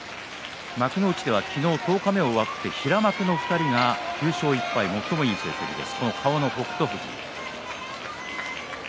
幕内では昨日、十日目が終わって平幕の２人が９勝１敗最もいい成績です。